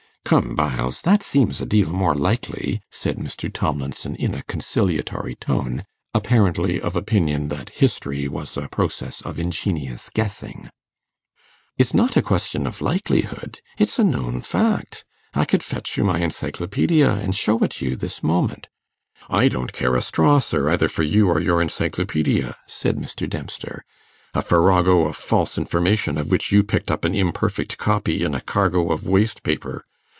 'Come, Byles, that seems a deal more likely,' said Mr. Tomlinson, in a conciliatory tone, apparently of opinion that history was a process of ingenious guessing. 'It's not a question of likelihood; it's a known fact. I could fetch you my Encyclopædia, and show it you this moment.' 'I don't care a straw, sir, either for you or your Encyclopædia,' said Mr. Dempster; 'a farrago of false information, of which you picked up an imperfect copy in a cargo of waste paper.